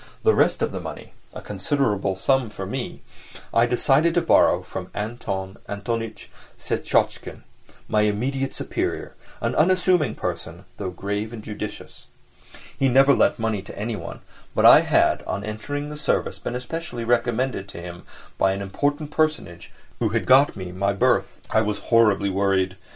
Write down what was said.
The rest of the money—a considerable sum for me, I decided to borrow from Anton Antonitch Syetotchkin, my immediate superior, an unassuming person, though grave and judicious. He never lent money to anyone, but I had, on entering the service, been specially recommended to him by an important personage who had got me my berth. I was horribly worried.